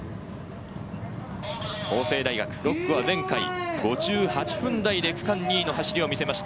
法政大学、６区は前回１８分台で区間２位の走りを見せました。